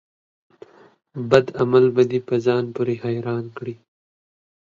بد عمل به دي په ځان پوري حيران کړي